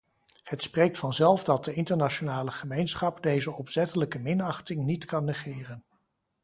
Het spreekt vanzelf dat de internationale gemeenschap deze opzettelijke minachting niet kan negeren.